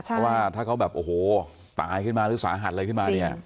เพราะว่าถ้าเขาแบบโอ้โหตายขึ้นมาหรือสาหัสอะไรขึ้นมาเนี่ย